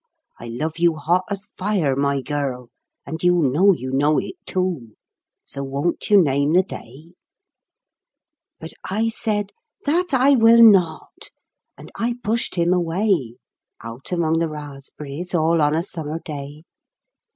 I love you hot as fire, my girl, and you know you know it too. So won't you name the day ?" But I said, " That I will not." And I pushed him away, Out among the raspberries all on a summer day.